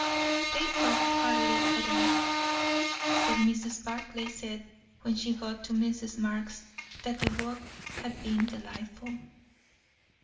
They talked hardly at all, but Mrs. Barclay said when she got to Mrs. Marx's, that the walk had been delightful.